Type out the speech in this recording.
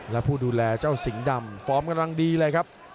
และผู้ดูแลเจ้าสิงห์ดำฟอร์มกำลังดีเลยครับ